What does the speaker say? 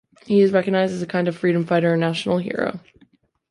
He is recognized as a kind of freedom fighter and national hero.